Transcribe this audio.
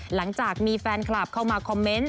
หลังจากมีแฟนคลับเข้ามาคอมเมนต์